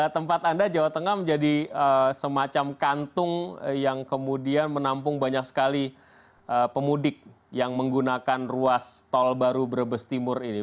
tempat anda jawa tengah menjadi semacam kantung yang kemudian menampung banyak sekali pemudik yang menggunakan ruas tol baru brebes timur ini